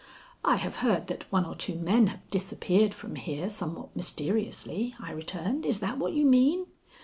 "I have heard that one or two men have disappeared from here somewhat mysteriously," I returned. "Is that what you mean?"